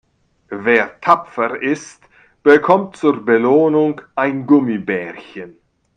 Wer tapfer ist, bekommt zur Belohnung ein Gummibärchen.